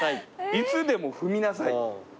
「いつでも踏みなさい」？